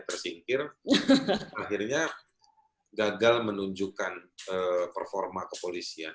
tersingkir akhirnya gagal menunjukkan performa kepolisian